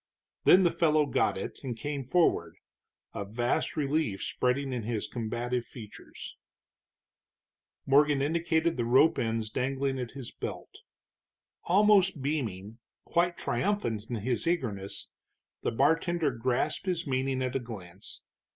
Then the fellow got it, and came forward, a vast relief spreading in his combative features. Morgan indicated the rope ends dangling at his belt. Almost beaming, quite triumphant in his eagerness, the bartender grasped his meaning at a glance.